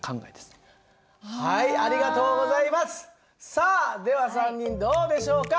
さあでは３人どうでしょうか？